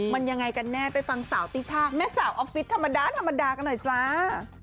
มันยังไงกันแน่ไปฟังสาวติช่าแม่สาวออฟฟิศธรรมดาธรรมดากันหน่อยจ้า